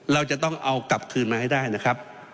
เราจะต้องเอากลับคืนมาให้ได้นะครับ